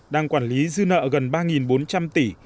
đang quản lý dư nợ gần ba bốn trăm linh tỷ